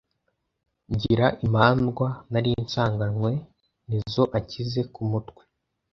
Ngira imandwa nari nsanganywe, N'izo anshyize ku mutwe